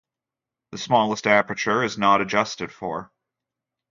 The smallest aperture is not adjusted for.